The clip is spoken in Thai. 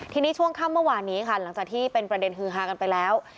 ทีนี้ช่วงค่ำเมื่อวานนี้ค่ะหลังจากที่เป็นประเด็นฮือฮากันไปแล้ว